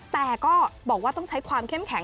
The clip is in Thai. แต่ก็บอกว่าต้องใช้ความเข้มแข็ง